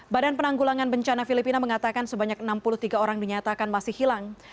badan penanggulangan bencana filipina mengatakan sebanyak enam puluh tiga orang dinyatakan masih hilang